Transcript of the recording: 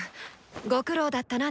ご苦労だったなナフラ。